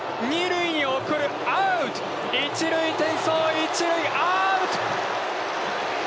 ２塁に送る、アウト１塁転送、１塁アウト！